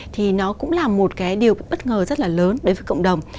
thì nó cũng là một cái điều bất ngờ rất là lớn đối với cộng đồng